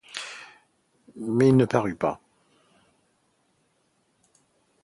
Mais il ne parut pas.